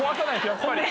やっぱり。